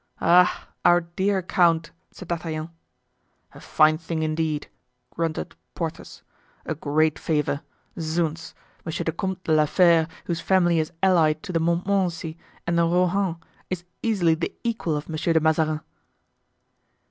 "Ah! our dear count!" said D'Artagnan. "A fine thing, indeed!" grunted Porthos. "A great favor! Zounds! Monsieur the Comte de la Fere, whose family is allied to the Montmorency and the Rohan, is easily the equal of Monsieur de Mazarin."